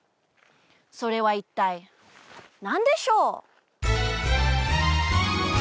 それは一体何でしょう？